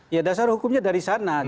ya dasar hukumnya dari sana